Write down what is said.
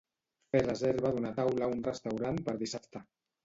Fer reserva d'una taula a un restaurant per dissabte.